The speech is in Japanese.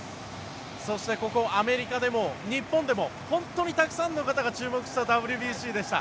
そしてここアメリカでも日本でも本当にたくさんの方が注目したＷＢＣでした。